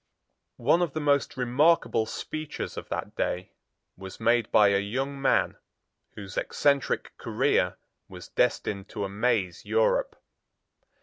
One of the most remarkable speeches of that day was made by a young man, whose eccentric career was destined to amaze Europe.